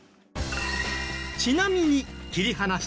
ちなみに切り離したロケット